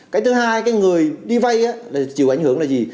cái thứ hai cái người đi vay chịu ảnh hưởng là gì